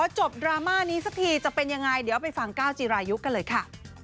จบดราม่านี้สักทีจะเป็นยังไงเดี๋ยวไปฟังก้าวจีรายุกันเลยค่ะ